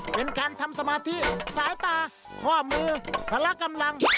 เป็นการทำสมาธิสายตาข้อมือพละกำลัง